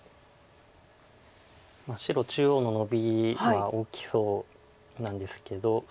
白中央のノビは大きそうなんですけど。